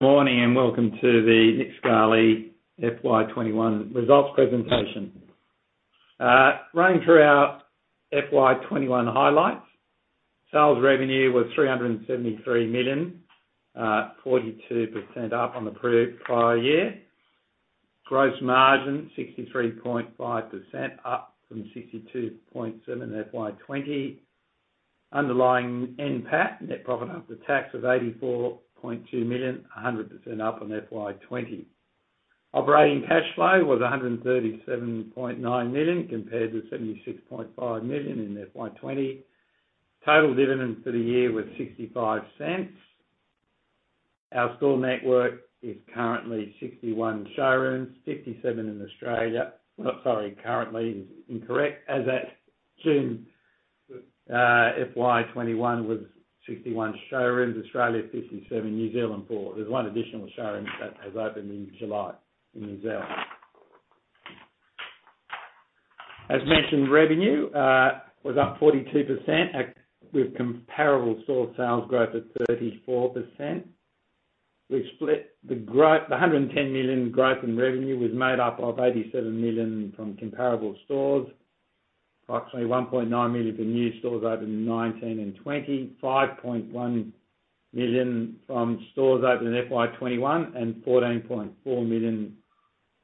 Morning, welcome to the Nick Scali FY21 results presentation. Running through our FY21 highlights. Sales revenue was 373 million, 42% up on the prior year. Gross margin 63.5%, up from 62.7% FY20. Underlying NPAT, net profit after tax of 84.2 million, 100% up on FY20. Operating cash flow was 137.9 million compared to 76.5 million in FY20. Total dividends for the year were 0.65. Our store network is currently 61 showrooms, 57 in Australia. Sorry, currently is incorrect. As at June, FY21 was 61 showrooms, Australia 57, New Zealand four. There's one additional showroom that has opened in July in New Zealand. As mentioned, revenue was up 42% with comparable store sales growth at 34%. The 110 million growth in revenue was made up of 87 million from comparable stores, approximately 1.9 million from new stores opened in 2019 and 2020, 5.1 million from stores opened in FY 2021, and 14.4 million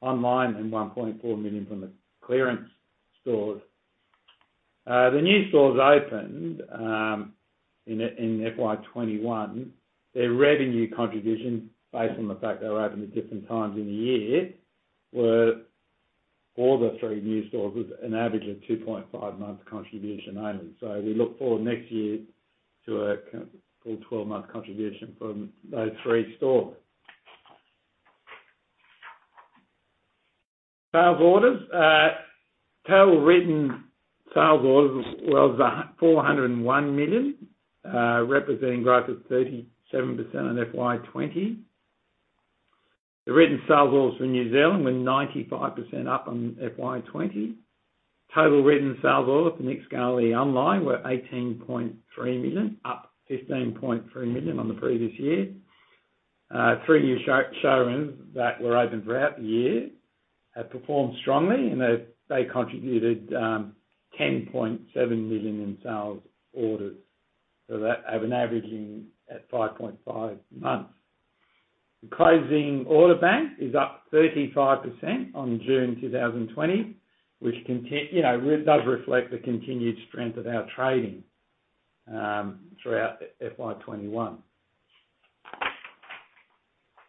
online and 1.4 million from the clearance stores. The new stores opened in FY 2021, their revenue contribution, based on the fact they were open at different times in the year, were all the three new stores with an average of 2.5 months contribution only. We look forward next year to a full 12-month contribution from those three stores. Sales orders. Total written sales orders was 401 million, representing growth of 37% on FY 2020. The written sales orders from New Zealand were 95% up on FY 2020. Total written sales orders for Nick Scali Online were 18.3 million, up 15.3 million on the previous year. Three new showrooms that were open throughout the year have performed strongly. They contributed 10.7 million in sales orders. That averaging at 5.5 months. The closing order bank is up 35% on June 2020, which does reflect the continued strength of our trading throughout FY 2021.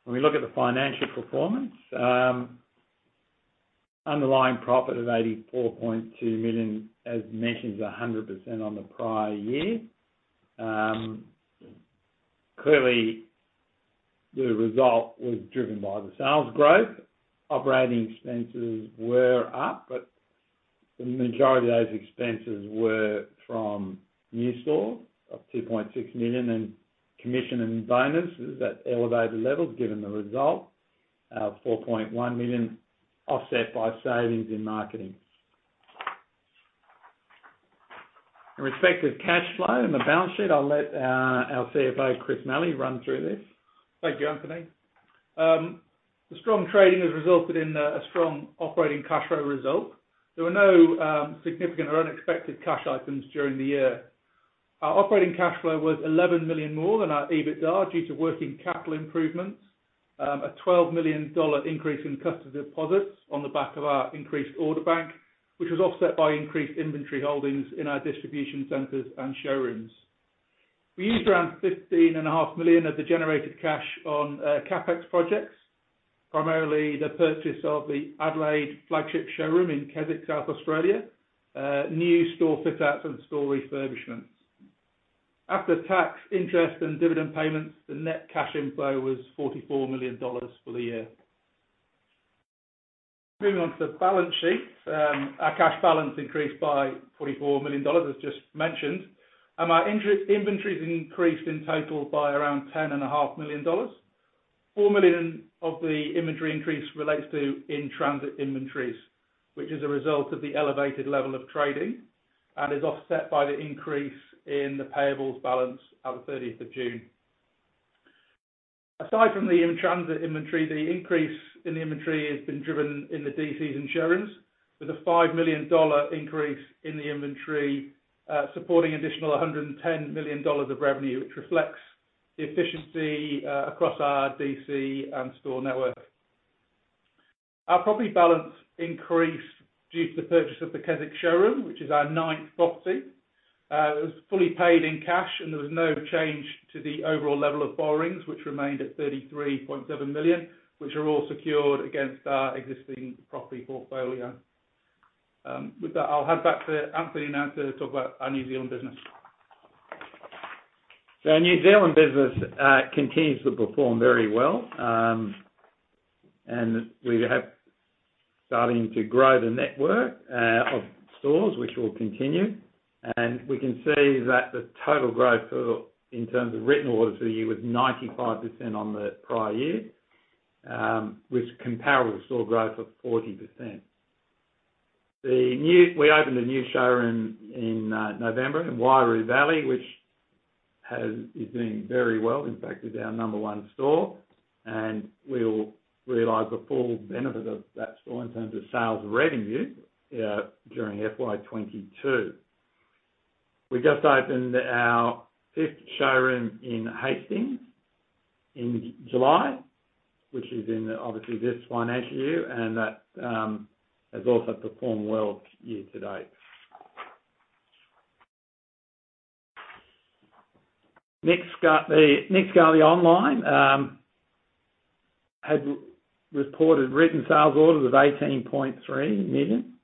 When we look at the financial performance, underlying profit of 84.2 million, as mentioned, is 100% on the prior year. Clearly, the result was driven by the sales growth. Operating expenses were up. The majority of those expenses were from new stores of 2.6 million and commission and bonuses at elevated levels, given the result of 4.1 million offset by savings in marketing. In respect of cash flow and the balance sheet, I'll let our CFO, Chris Malley, run through this. Thank you, Anthony. The strong trading has resulted in a strong operating cash flow result. There were no significant or unexpected cash items during the year. Our operating cash flow was 11 million more than our EBITDA due to working capital improvements, an 12 million dollar increase in customer deposits on the back of our increased order bank, which was offset by increased inventory holdings in our distribution centers and showrooms. We used around 15.5 million of the generated cash on CapEx projects, primarily the purchase of the Adelaide flagship showroom in Keswick, South Australia, new store fit-outs and store refurbishments. After tax, interest, and dividend payments, the net cash inflow was 44 million dollars for the year. Moving on to the balance sheet. Our cash balance increased by 44 million dollars, as just mentioned, and our inventories increased in total by around 10.5 million dollars. 4 million of the inventory increase relates to in-transit inventories, which is a result of the elevated level of trading and is offset by the increase in the payables balance at the 30th of June. Aside from the in-transit inventory, the increase in inventory has been driven in the DCs and showrooms with a 5 million dollar increase in the inventory, supporting additional 110 million dollars of revenue, which reflects the efficiency across our DC and store network. Our property balance increased due to the purchase of the Keswick showroom, which is our ninth property. It was fully paid in cash, and there was no change to the overall level of borrowings, which remained at 33.7 million, which are all secured against our existing property portfolio. With that, I'll hand back to Anthony now to talk about our New Zealand business. The New Zealand business continues to perform very well. We have starting to grow the network of stores, which will continue. We can see that the total growth in terms of written orders for the year was 95% on the prior year, with comparable store growth of 40%. We opened a new showroom in November in Wairau Park, which is doing very well. In fact, it's our number one store. We'll realize the full benefit of that store in terms of sales revenue during FY 2022. We just opened our fifth showroom in Hastings in July, which is in, obviously, this financial year, and that has also performed well year to date. Nick Scali Online had reported written sales orders of 18.3 million,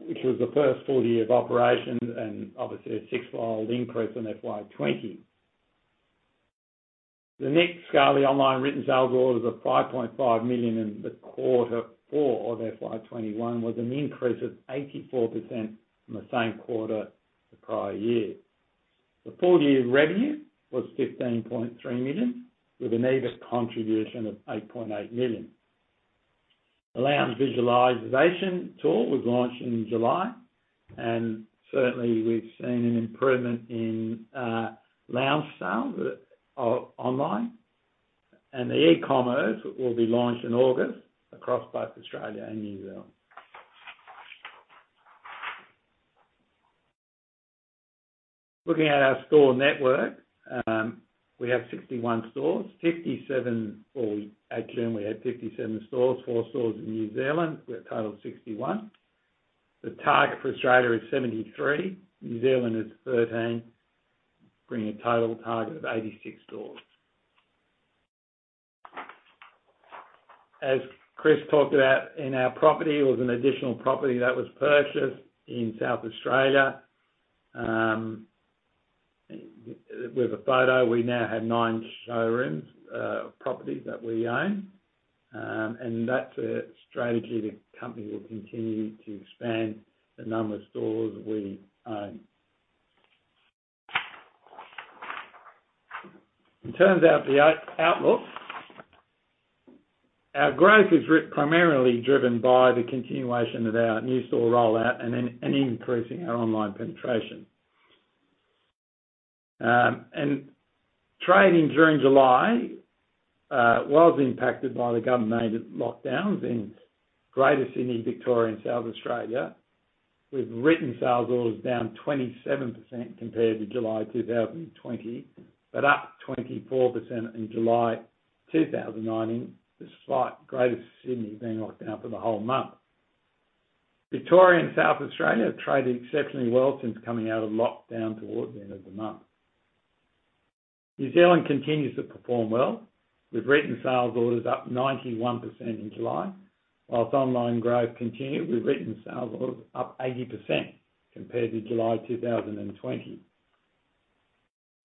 which was the first full year of operation, and obviously a six-fold increase on FY 2020. The Nick Scali Online written sales orders of 5.5 million in the quarter four of FY 2021 was an increase of 84% from the same quarter the prior year. The full-year revenue was 15.3 million, with an EBIT contribution of 8.8 million. The lounge visualization tool was launched in July, certainly we've seen an improvement in lounge sales online. The e-commerce will be launched in August across both Australia and New Zealand. Looking at our store network. We have 61 stores. At June we had 57 stores, four stores in New Zealand, we have a total of 61. The target for Australia is 73, New Zealand is 13, bringing a total target of 86 stores. As Chris talked about in our property, there was an additional property that was purchased in South Australia. With a photo, we now have nine showrooms, properties that we own. That's a strategy the company will continue to expand the number of stores we own. In terms of the outlook, our growth is primarily driven by the continuation of our new store rollout and increasing our online penetration. Trading during July was impacted by the government-mandated lockdowns in Greater Sydney, Victoria, and South Australia, with written sales orders down 27% compared to July 2020, but up 24% in July 2019, despite Greater Sydney being locked down for the whole month. Victoria and South Australia traded exceptionally well since coming out of lockdown towards the end of the month. New Zealand continues to perform well with written sales orders up 91% in July. Online growth continued with written sales orders up 80% compared to July 2020.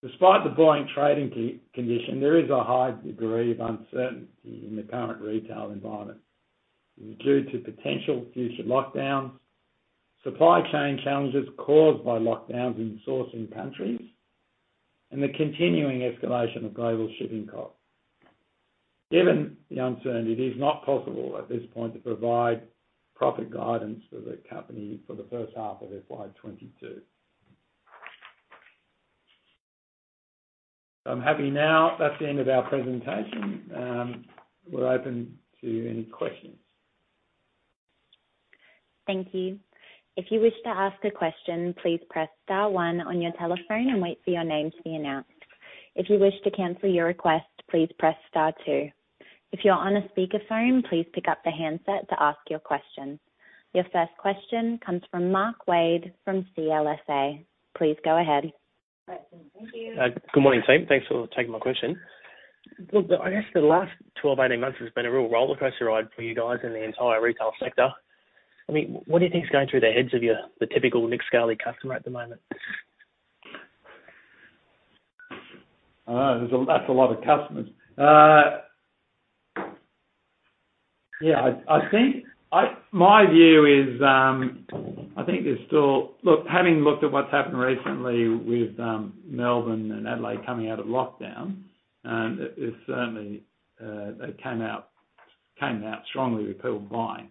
Despite the buoyant trading condition, there is a high degree of uncertainty in the current retail environment due to potential future lockdowns, supply chain challenges caused by lockdowns in sourcing countries, and the continuing escalation of global shipping costs. Given the uncertainty, it is not possible at this point to provide profit guidance for the company for the first half of FY22. I'm happy now. That's the end of our presentation. We're open to any questions. Thank you. If you wish to ask a question, please press star one on your telephone and wait for your name to be announced. If you wish to cancel your request, please press star two. If you on a speaker phone, please pick-up your handset to ask a question. Your first question comes from Mark Wade from CLSA. Please go ahead. Great. Thank you. Good morning, team. Thanks for taking my question. Look, I guess the last 12, 18 months has been a real rollercoaster ride for you guys and the entire retail sector. What do you think is going through the heads of the typical Nick Scali customer at the moment? I don't know. That's a lot of customers. Having looked at what's happened recently with Melbourne and Adelaide coming out of lockdown, it certainly came out strongly with people buying.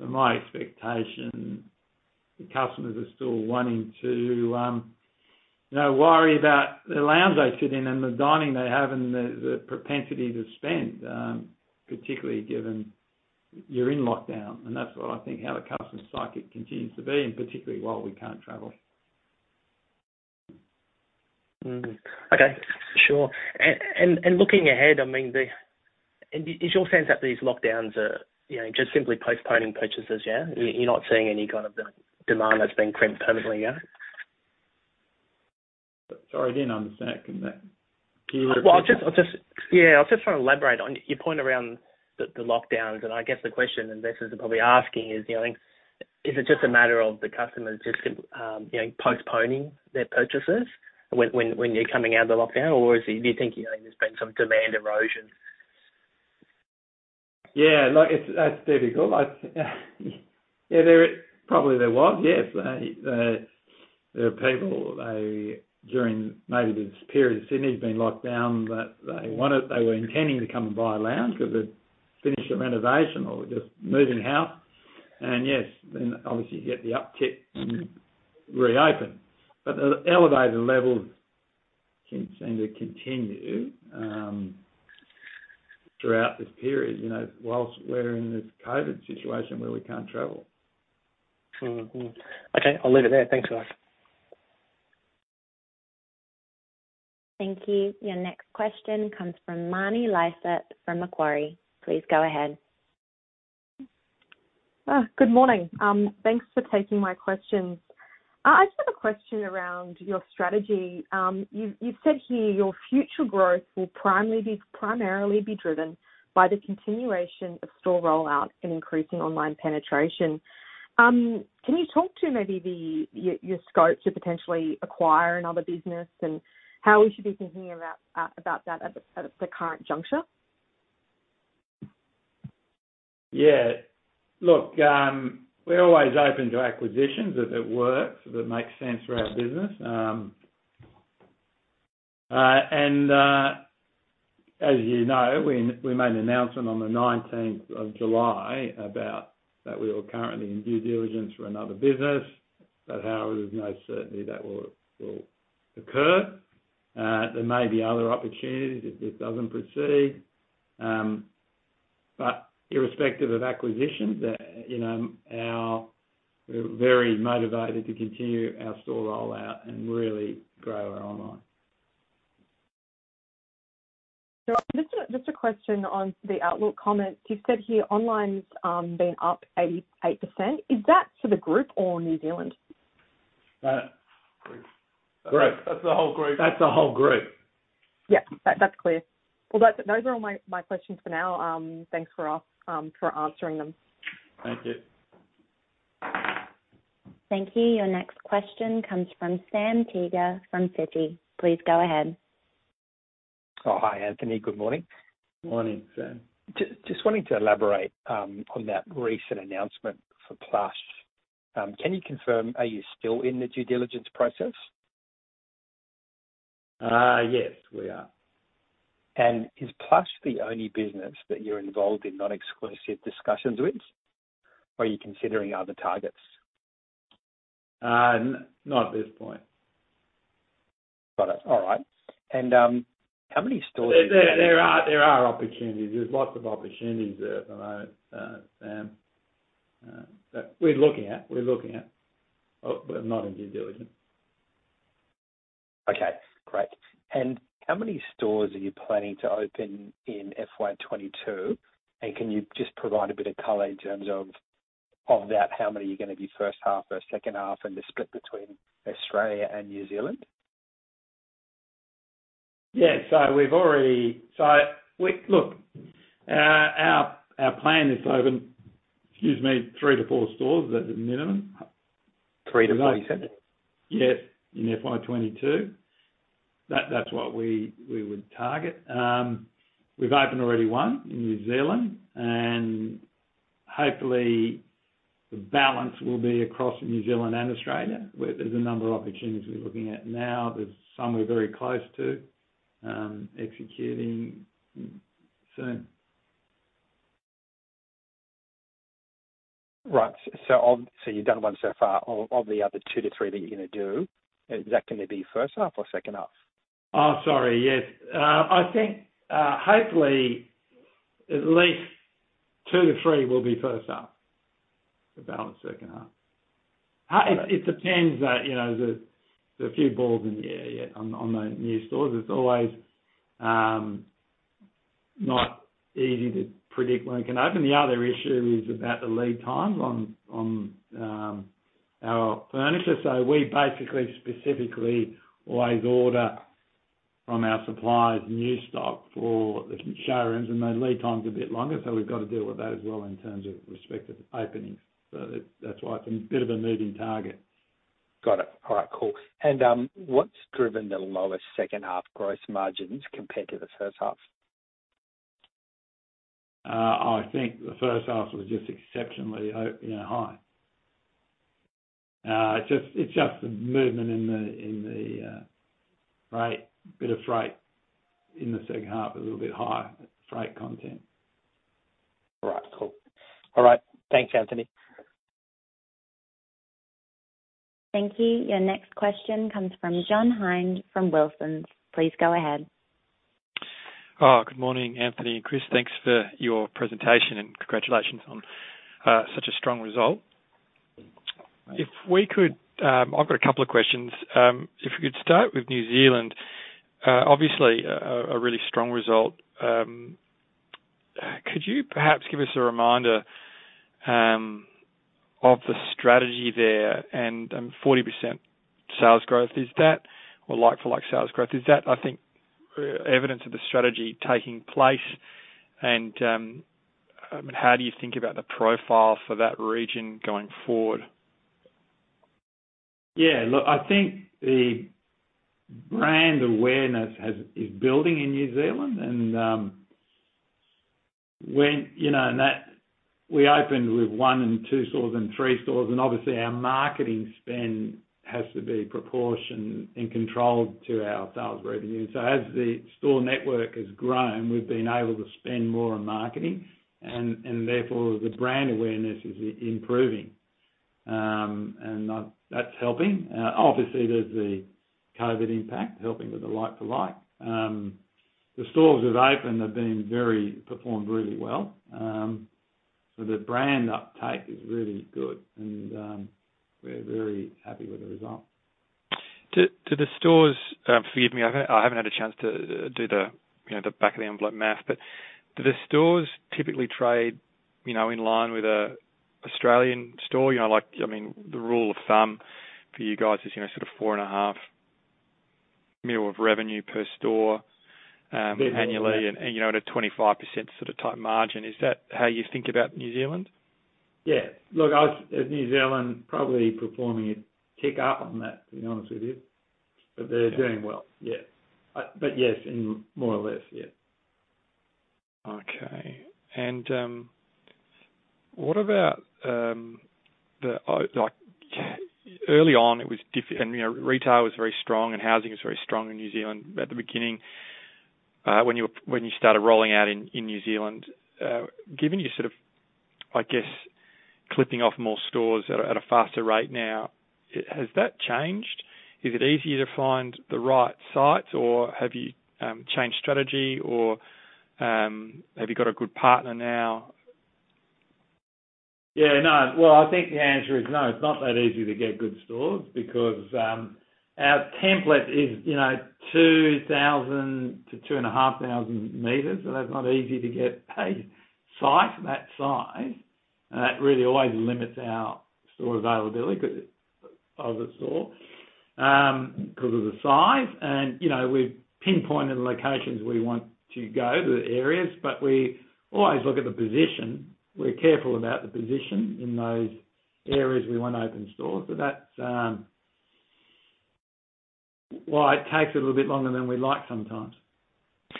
My expectation, the customers are still wanting to worry about the lounge they fit in and the dining they have and the propensity to spend, particularly given you're in lockdown and that's what I think how the customer psyche continues to be, and particularly while we can't travel. Okay, sure. Looking ahead, is your sense that these lockdowns are just simply postponing purchases, yeah? You're not seeing any kind of demand that's been crimped permanently yet? Sorry, I didn't understand. Can you repeat that? Yeah. I was just trying to elaborate on your point around the lockdowns, I guess the question investors are probably asking is it just a matter of the customers just postponing their purchases when you're coming out of the lockdown, or do you think there's been some demand erosion? Yeah, look, that's difficult. Probably there was, yes. There are people they, during maybe this period Sydney's been locked down, that they were intending to come and buy a lounge because they've finished their renovation or were just moving house. Yes, obviously you get the uptick when you reopen. The elevated levels seem to continue throughout this period, while we're in this COVID situation where we can't travel. Mm-hmm. Okay, I'll leave it there. Thanks, guys. Thank you. Your next question comes from Marni Lysaght from Macquarie. Please go ahead. Good morning. Thanks for taking my questions. I just have a question around your strategy. You've said here your future growth will primarily be driven by the continuation of store rollout and increasing online penetration. Can you talk to maybe your scope to potentially acquire another business and how we should be thinking about that at the current juncture? Yeah. Look, we're always open to acquisitions if it works, if it makes sense for our business. As you know, we made an announcement on the 19th of July about that we were currently in due diligence for another business, but how it is no certainty that will occur. There may be other opportunities if this doesn't proceed. Irrespective of acquisitions, we're very motivated to continue our store rollout and really grow our online. Just a question on the outlook comments. You've said here online's been up 88%. Is that for the group or New Zealand? Group. Correct. That's the whole group. That's the whole group. Yeah. That's clear. Well, those are all my questions for now. Thanks for answering them. Thank you. Thank you. Your next question comes from Sam Teeger from Citi. Please go ahead. Oh, hi, Anthony. Good morning. Morning, Sam. Just wanting to elaborate on that recent announcement for Plush. Can you confirm, are you still in the due diligence process? Yes, we are. Is Plush the only business that you're involved in non-exclusive discussions with? Are you considering other targets? Not at this point. Got it. All right. How many stores? There are opportunities. There's lots of opportunities at the moment, Sam, that we're looking at. We're looking at, but we're not in due diligence. Okay. Great. How many stores are you planning to open in FY22? Can you just provide a bit of color in terms of that, how many are going to be first half or second half, and the split between Australia and New Zealand? Our plan is to open, excuse me, 3-4 stores at the minimum. Three to four, you said? Yes, in FY22. That's what we would target. We've opened already one in New Zealand, and hopefully the balance will be across New Zealand and Australia, where there's a number of opportunities we're looking at now. There's some we're very close to executing soon. Right. You've done one so far. Of the other 2-3 that you're going to do, is that going to be first half or second half? Oh, sorry. Yes. I think hopefully at least 2-3 will be first half. The balance second half. It depends. There's a few balls in the air yet on the new stores. It's always not easy to predict when it can open. The other issue is about the lead times on our furniture. We basically specifically always order from our suppliers new stock for the showrooms, and the lead time's a bit longer, so we've got to deal with that as well in terms of respective openings. That's why it's a bit of a moving target. Got it. All right, cool. What's driven the lower second half gross margins compared to the first half's? I think the first half was just exceptionally high. It's just the movement in the freight, bit of freight in the second half was a little bit high, freight content. All right, cool. All right. Thanks, Anthony. Thank you. Your next question comes from John Hynd from Wilsons. Please go ahead. Good morning, Anthony and Chris. Thanks for your presentation, and congratulations on such a strong result. Thanks. I've got a couple of questions. If we could start with New Zealand. Obviously, a really strong result. Could you perhaps give us a reminder of the strategy there and 40% sales growth? Is that or like for like sales growth? Is that, I think, evidence of the strategy taking place and how do you think about the profile for that region going forward? Yeah, look, I think the brand awareness is building in New Zealand. We opened with one and two stores and three stores, and obviously our marketing spend has to be proportioned and controlled to our sales revenue. As the store network has grown, we've been able to spend more on marketing and therefore the brand awareness is improving. That's helping. Obviously, there's the COVID impact helping with the like for like. The stores that have opened have performed really well. The brand uptake is really good and we're very happy with the result. Forgive me, I haven't had a chance to do the back of the envelope math, but do the stores typically trade in line with an Australian store? I mean, the rule of thumb for you guys is sort of 4.5 million of revenue per store annually and at a 25% sort of tight margin. Is that how you think about New Zealand? Yeah. Look, New Zealand probably performing a tick up on that, to be honest with you. They're doing well, yeah. Yes, more or less, yeah. Okay. What about early on, retail was very strong and housing was very strong in New Zealand at the beginning, when you started rolling out in New Zealand. Given you're sort of, I guess, clipping off more stores at a faster rate now, has that changed? Is it easier to find the right sites or have you changed strategy or have you got a good partner now? Yeah, no. Well, I think the answer is no, it's not that easy to get good stores because our template is 2,000-2,500 meters. That's not easy to get a site that size. That really always limits our store availability of the store because of the size. We've pinpointed locations we want to go to areas, but we always look at the position. We're careful about the position in those areas we want to open stores. That's why it takes a little bit longer than we'd like sometimes.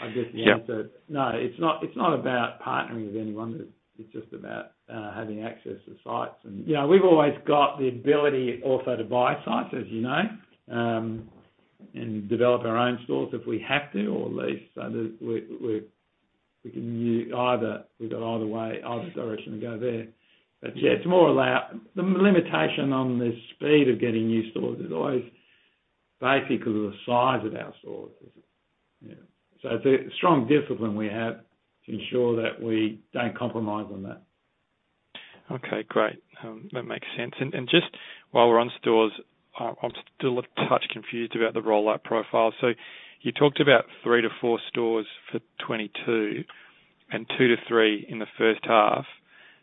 I guess the answer. Yeah. No. It's not about partnering with anyone. It's just about having access to sites and we've always got the ability also to buy sites, as you know, and develop our own stores if we have to, or at least so that we've got either way, either direction to go there. The limitation on the speed of getting new stores is always basically the size of our stores. Isn't it? It's a strong discipline we have to ensure that we don't compromise on that. Okay, great. That makes sense. Just while we're on stores, I'm still a touch confused about the rollout profile. You talked about 3-4 stores for FY22 and 2-3 in the first half.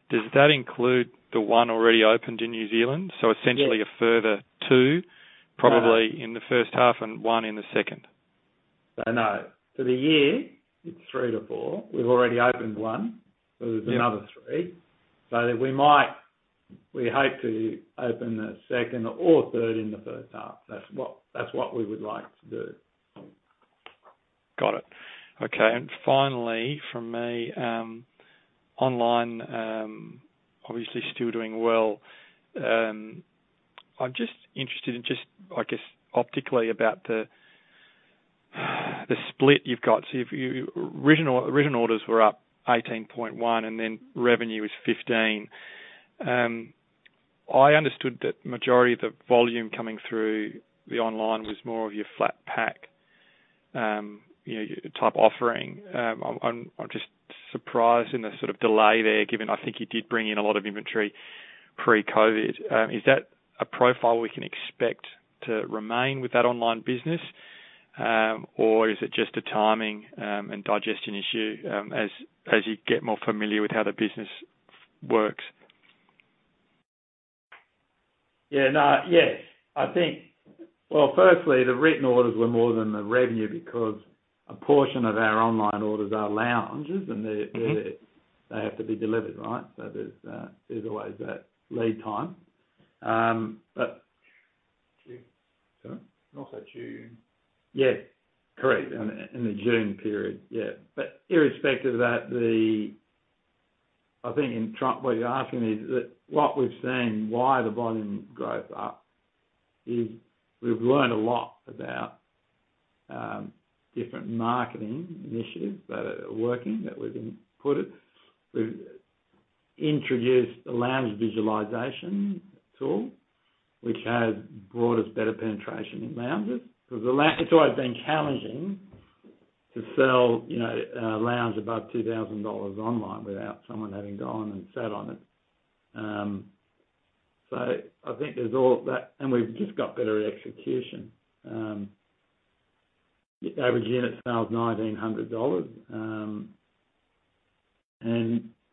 Does that include the one already opened in New Zealand? Yes. So essentially a further two- No probably in the first half and 1 in the second. No. For the year, it's 3-4. We've already opened one. Yeah. There's another three. We hope to open the second or third in the first half. That's what we would like to do. Got it. Okay. Finally from me, online obviously still doing well. I am just interested in just optically about the split you have got. Your written orders were up 18.1% and then revenue is 15%. I understood that majority of the volume coming through the online was more of your flat pack type offering. I am just surprised in the sort of delay there given I think you did bring in a lot of inventory pre-COVID. Is that a profile we can expect to remain with that online business or is it just a timing and digestion issue as you get more familiar with how the business works? Yeah. Well, firstly, the written orders were more than the revenue because a portion of our online orders are lounges and they have to be delivered, right? There's always that lead time. June. Sorry? Also June. Yeah. Correct. In the June period. Yeah. Irrespective of that, I think what you're asking is that what we've seen why the volume goes up is we've learned a lot about different marketing initiatives that are working, that we've input it. We've introduced a lounge visualization tool, which has brought us better penetration in lounges. It's always been challenging to sell a lounge above 2,000 dollars online without someone having gone and sat on it. I think there's all of that and we've just got better execution. The average unit sells 1,900 dollars.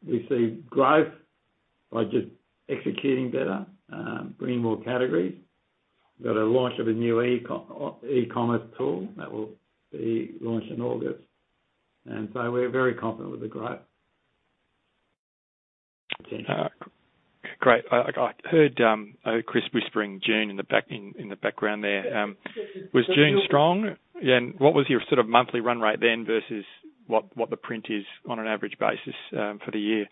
We see growth by just executing better, bringing more categories. We've got a launch of a new e-commerce tool that will be launched in August, and so we're very confident with the growth. Great. I heard Chris whispering June in the background there. Was June strong? What was your monthly run rate then versus what the print is on an average basis for the year?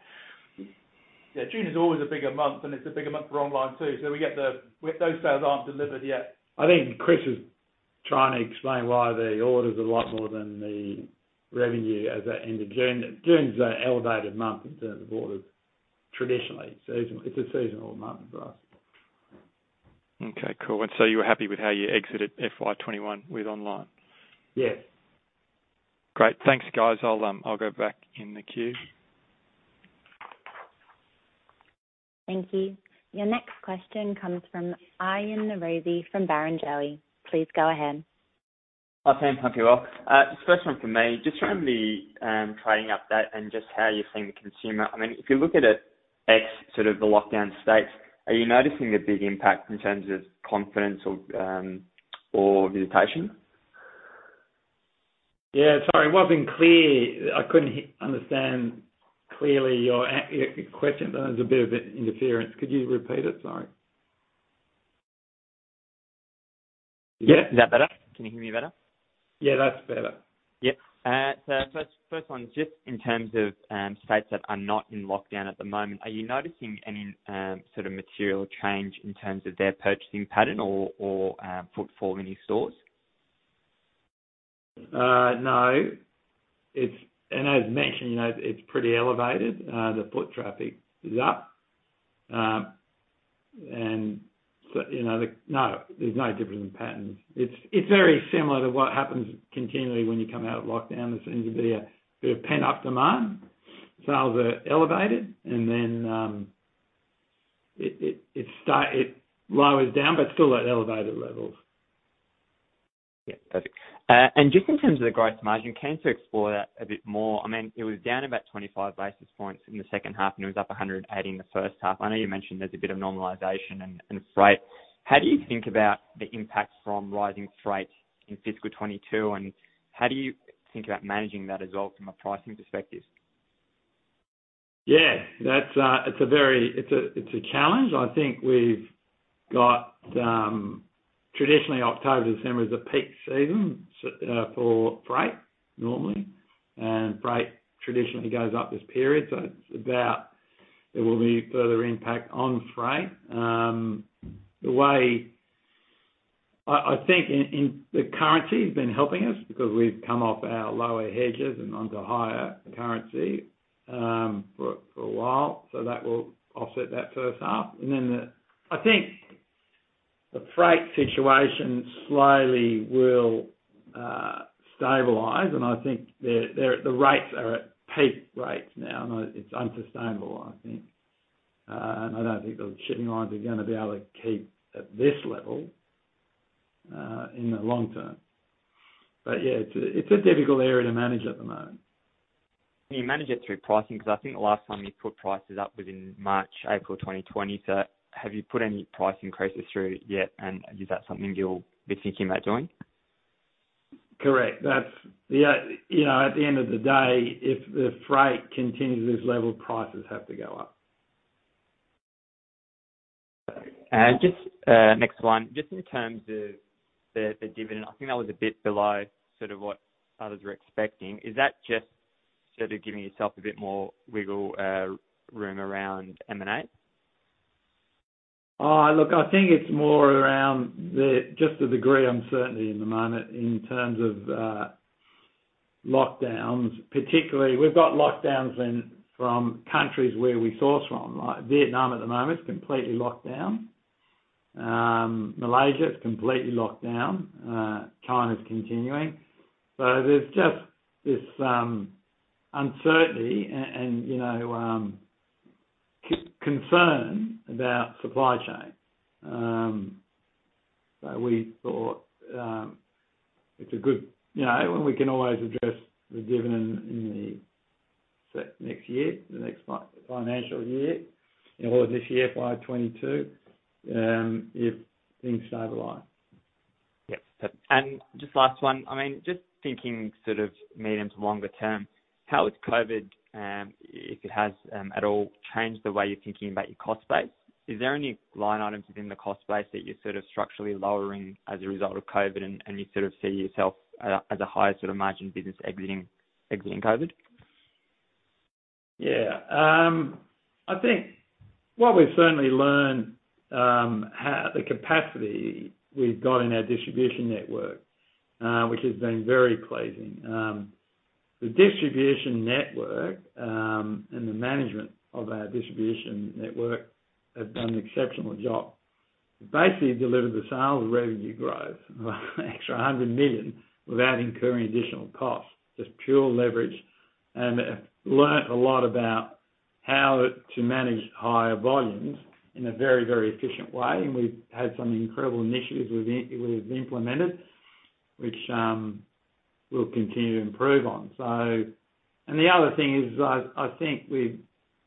Yeah. June is always a bigger month, and it's a bigger month for online too. Those sales aren't delivered yet. I think Chris is trying to explain why the order is a lot more than the revenue as at end of June. June's an elevated month in terms of orders, traditionally, seasonally. It's a seasonal month for us. Okay, cool. You were happy with how you exited FY 2021 with online? Yes. Great. Thanks, guys. I'll go back in the queue. Thank you. Your next question comes from Aryan Norozi from Barrenjoey. Please go ahead. Hi, team. Hope you're well. Just first one from me, just around the trading update and just how you're seeing the consumer. If you look at it ex the lockdown states, are you noticing a big impact in terms of confidence or visitation? Yeah. Sorry, it wasn't clear. I couldn't understand clearly your question. There was a bit of an interference. Could you repeat it? Sorry. Yeah. Is that better? Can you hear me better? Yeah, that's better. Yeah. First one, just in terms of states that are not in lockdown at the moment, are you noticing any material change in terms of their purchasing pattern or footfall in your stores? No. As mentioned, it's pretty elevated. The foot traffic is up. No, there's no difference in patterns. It's very similar to what happens continually when you come out of lockdown. There seems to be a bit of pent-up demand. Sales are elevated, and then it lowers down, but still at elevated levels. Yeah. Perfect. Just in terms of the gross margin, keen to explore that a bit more. It was down about 25 basis points in the second half, and it was up 180 in the first half. I know you mentioned there's a bit of normalization and freight. How do you think about the impact from rising freight in FY22, and how do you think about managing that as well from a pricing perspective? Yeah. It's a challenge. I think we've got traditionally October to December is the peak season for freight normally, and freight traditionally goes up this period. There will be further impact on freight. I think the currency has been helping us because we've come off our lower hedges and onto higher currency for a while, so that will offset that first half. I think the freight situation slowly will stabilize, and I think the rates are at peak rates now, and it's unsustainable, I think. I don't think the shipping lines are going to be able to keep at this level in the long term. Yeah, it's a difficult area to manage at the moment. Can you manage it through pricing? I think last time you put prices up was in March, April 2020. Have you put any price increases through yet, and is that something you're thinking about doing? Correct. At the end of the day, if the freight continues this level, prices have to go up. Just next one, just in terms of the dividend, I think that was a bit below what others were expecting. Is that just giving yourself a bit more wiggle room around M&A? Look, I think it's more around just the degree uncertainty at the moment in terms of lockdowns particularly. We've got lockdowns from countries where we source from. Like Vietnam at the moment is completely locked down. Malaysia is completely locked down. China's continuing. There's just this uncertainty and concern about supply chain. We thought it's good. We can always address the dividend in the next year, the next financial year, or this year, FY22, if things stabilize. Yep. Just last one. Just thinking medium to longer term, how has COVID, if it has at all, changed the way you're thinking about your cost base? Is there any line items within the cost base that you're structurally lowering as a result of COVID and you see yourself as a higher margin business exiting COVID? I think what we've certainly learned, the capacity we've got in our distribution network, which has been very pleasing. The distribution network and the management of our distribution network have done an exceptional job. Basically delivered the sales revenue growth of extra 100 million without incurring additional costs. Just pure leverage, and learned a lot about how to manage higher volumes in a very efficient way. We've had some incredible initiatives we've implemented, which we'll continue to improve on. The other thing is I think we've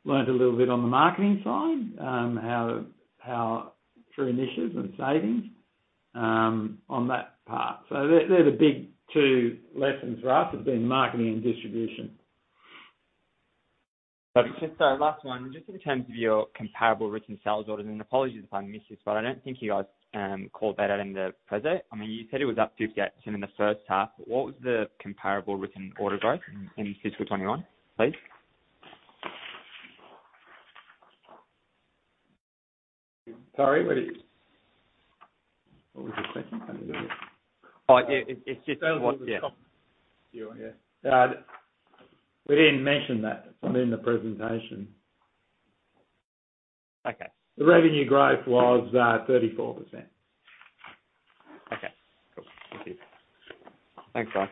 learned a little bit on the marketing side, through initiatives and savings on that part. They're the big two lessons for us, has been marketing and distribution. Sorry, just a last one. Just in terms of your comparable written sales orders, apologies if I missed this, but I don't think you guys called that out in the present. You said it was up 58% in the first half. What was the comparable written order growth in FY21, please? Sorry, what was your question? I didn't get it. Oh, yeah. It's just- Yeah. We didn't mention that within the presentation. Okay. The revenue growth was 34%. Okay, cool. Thank you. Thanks, guys.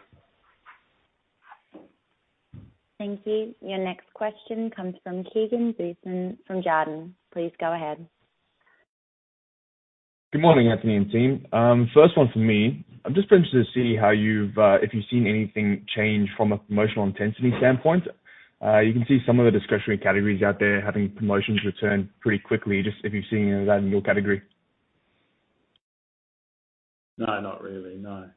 Thank you. Your next question comes from Keegan Booysen from Jarden. Please go ahead. Good morning, Anthony Scali and team. First one from me. I'm just interested to see if you've seen anything change from a promotional intensity standpoint. You can see some of the discretionary categories out there having promotions return pretty quickly. Just if you've seen any of that in your category. No, not really, no.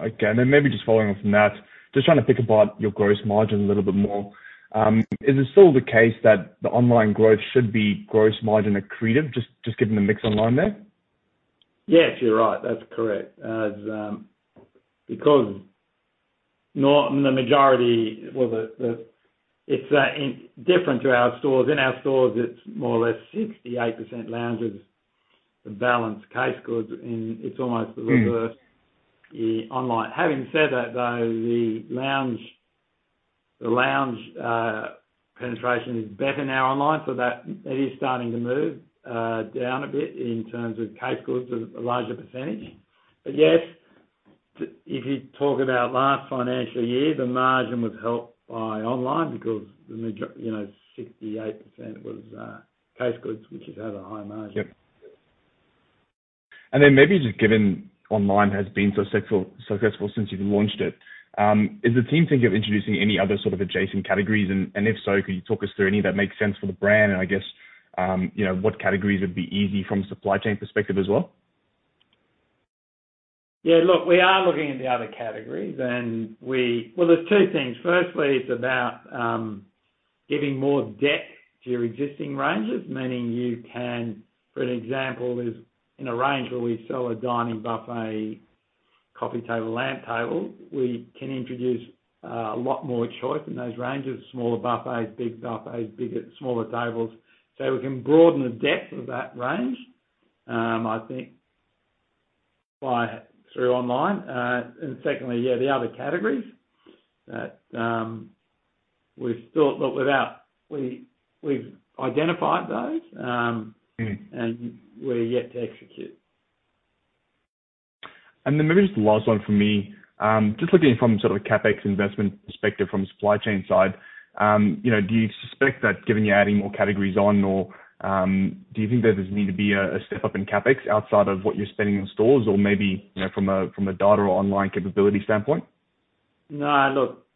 Okay. Maybe just following on from that, just trying to think about your gross margin a little bit more, is it still the case that the online growth should be gross margin accretive, just given the mix online there? Yes, you're right. That's correct. The majority, well, it's different to our stores. In our stores, it's more or less 68% lounges, the balance casegoods, and it's almost the reverse online. Having said that though, the lounge penetration is better now online, so it is starting to move down a bit in terms of casegoods as a larger percentage. Yes, if you talk about last financial year, the margin was helped by online because the majority, 68% was casegoods, which has had a high margin. Yep. Maybe just given online has been so successful since you've launched it, is the team thinking of introducing any other sort of adjacent categories? If so, could you talk us through any that make sense for the brand? I guess, what categories would be easy from a supply chain perspective as well? Yeah, look, we are looking at the other categories. Well, there's two things. Firstly, it's about giving more depth to your existing ranges, meaning you can, for an example, is in a range where we sell a dining buffet coffee table, lamp table. We can introduce a lot more choice in those ranges, smaller buffets, big buffets, bigger, smaller tables. We can broaden the depth of that range, I think through online. Secondly, yeah, the other categories that we've identified those and we're yet to execute. Maybe just the last one from me. Just looking from sort of a CapEx investment perspective from a supply chain side. Do you suspect that given you are adding more categories on or do you think there does need to be a step up in CapEx outside of what you are spending in stores or maybe from a data or online capability standpoint? No, look.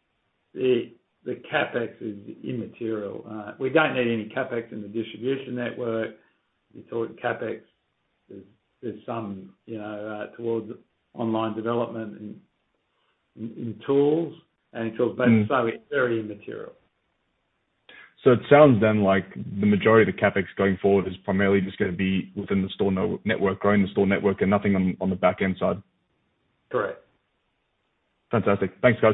The CapEx is immaterial. We don't need any CapEx in the distribution network. We put CapEx towards online development and in tools. It's very immaterial. It sounds then like the majority of the CapEx going forward is primarily just going to be within the store network, growing the store network and nothing on the back-end side. Correct. Fantastic. Thanks, guys.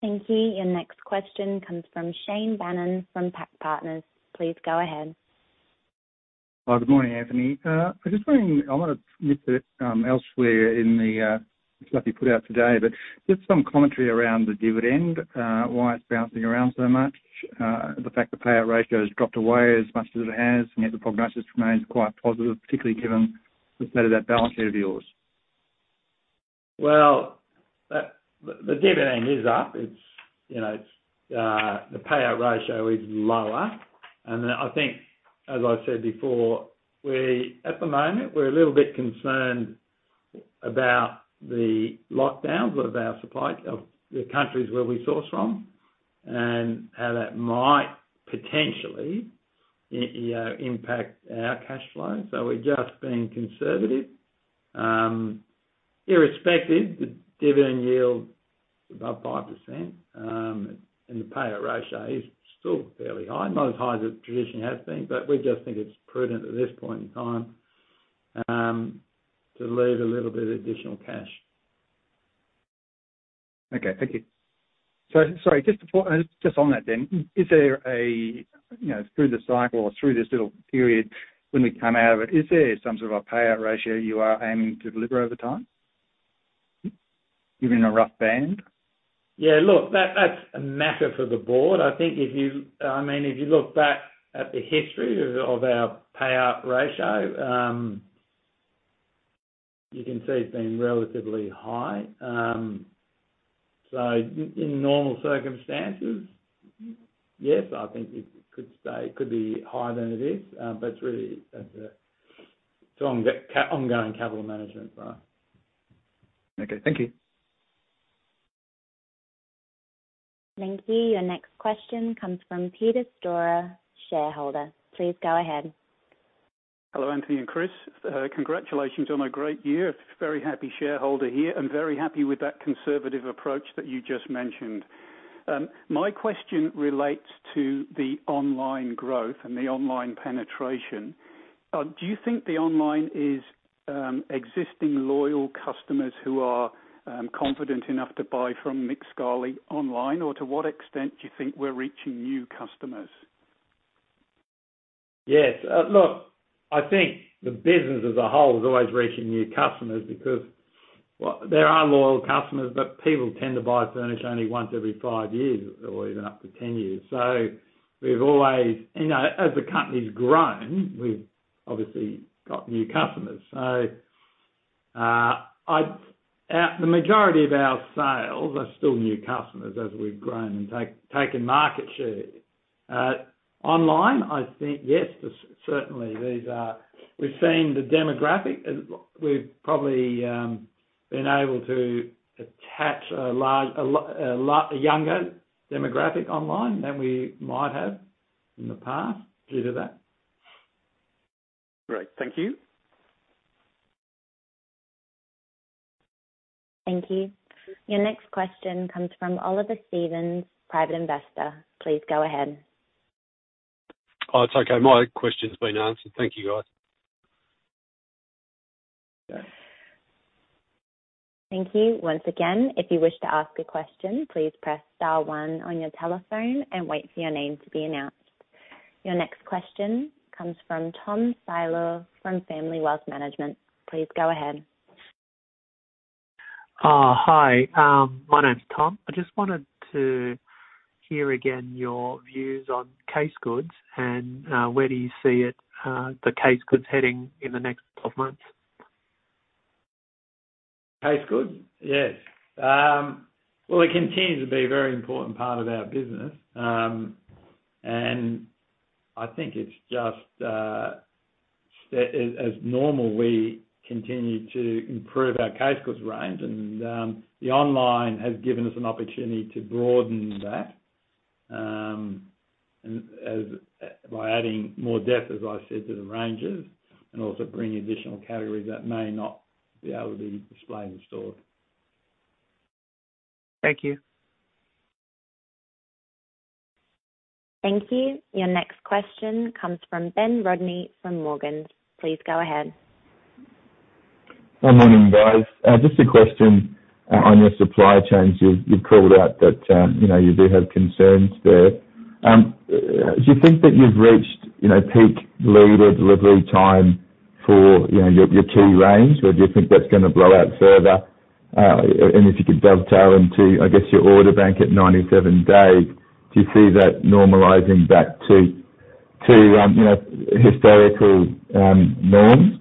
Thank you. Your next question comes from Shane Bannan from PAC Partners. Please go ahead. Hi. Good morning, Anthony. I want to miss it elsewhere in the stuff you put out today, just some commentary around the dividend, why it's bouncing around so much? The fact the payout ratio has dropped away as much as it has, yet the prognosis remains quite positive, particularly given the state of that balance sheet of yours. Well, the dividend is up. The payout ratio is lower. I think, as I've said before, at the moment, we're a little bit concerned about the lockdowns of the countries where we source from and how that might potentially impact our cash flow. We're just being conservative. Irrespective, the dividend yield is above 5%, and the payout ratio is still fairly high. Not as high as it traditionally has been, but we just think it's prudent at this point in time to leave a little bit of additional cash. Okay. Thank you. Sorry, just on that then. Through the cycle or through this little period when we come out of it, is there some sort of a payout ratio you are aiming to deliver over time? Give me a rough band. Yeah, look. That's a matter for the board. If you look back at the history of our payout ratio, you can see it's been relatively high. In normal circumstances, yes, I think it could be higher than it is, but it's really an ongoing capital management plan. Okay. Thank you. Thank you. Your next question comes from Peter Storer, shareholder. Please go ahead. Hello, Anthony and Chris. Congratulations on a great year. A very happy shareholder here. Very happy with that conservative approach that you just mentioned. My question relates to the online growth and the online penetration. Do you think the online is existing loyal customers who are confident enough to buy from Nick Scali Online? To what extent do you think we're reaching new customers? Yes. Look, I think the business as a whole is always reaching new customers because there are loyal customers, but people tend to buy furniture only once every five years or even up to 10 years. As the company's grown, we've obviously got new customers. The majority of our sales are still new customers as we've grown and taken market share. Online, I think yes, certainly. We've seen the demographic. We've probably been able to attach a younger demographic online than we might have in the past due to that. Great. Thank you. Thank you. Your next question comes from Oliver Stevens, private investor. Please go ahead. Oh, it's okay. My question's been answered. Thank you, guys. Okay. Thank you. Once again, if you wish to ask a question please press star one on your telephone and wait for your name to be announced. Your next question comes from Tom Szabo from Family Wealth Management. Please go ahead. Hi. My name's Tom. I just wanted to hear again your views on casegoods and where do you see the casegoods heading in the next 12 months? Casegoods? Yes. Well, it continues to be a very important part of our business. I think it's just as normal, we continue to improve our casegoods range and the online has given us an opportunity to broaden that by adding more depth, as I said, to the ranges, and also bring additional categories that may not be able to be displayed in store. Thank you. Thank you. Your next question comes from Ben Rodney from Morgans. Please go ahead. Good morning, guys. Just a question on your supply chains. You've called out that you do have concerns there. Do you think that you've reached peak lead or delivery time for your key range, or do you think that's going to blow out further? If you could dovetail into, I guess, your order bank at 97 days, do you see that normalizing back to historical norm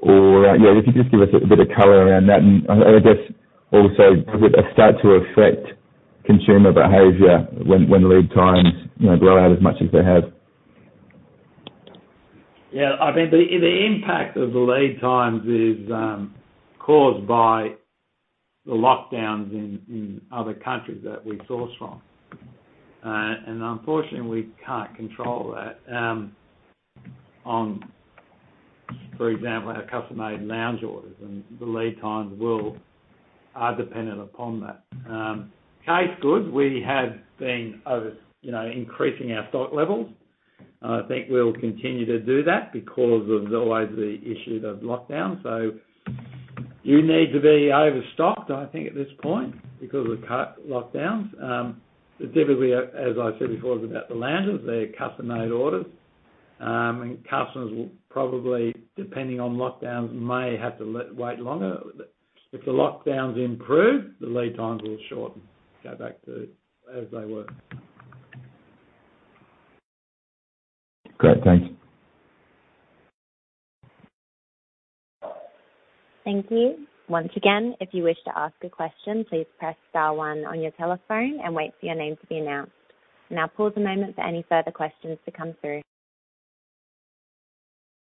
or yeah? If you could just give us a bit of color around that. I guess also, does it start to affect consumer behavior when lead times blow out as much as they have? Yeah, I think the impact of the lead times is caused by the lockdowns in other countries that we source from. Unfortunately, we can't control that. For example, our custom-made lounge orders and the lead times are dependent upon that. Casegoods, we have been increasing our stock levels. I think we'll continue to do that because of always the issue of lockdowns. You need to be overstocked, I think, at this point because of lockdowns. Particularly, as I said before about the lounges, they're custom-made orders. Customers will probably, depending on lockdowns, may have to wait longer. If the lockdowns improve, the lead times will shorten. Go back to as they were. Great. Thank you. Thank you. Once again, if you wish to ask a question, please press star one on your telephone and wait for your name to be announced. We'll now pause a moment for any further questions to come through.